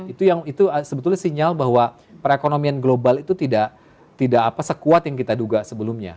itu sebetulnya sinyal bahwa perekonomian global itu tidak sekuat yang kita duga sebelumnya